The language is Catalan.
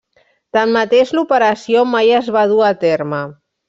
Tanmateix l'operació mai es va dur a terme.